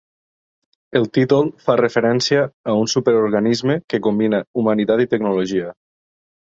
El títol fa referència a un superorganisme que combina humanitat i tecnologia.